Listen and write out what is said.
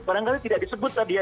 barangkali tidak disebut tadi ya